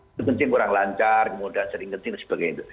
itu kencing kurang lancar kemudian sering kencing dan sebagainya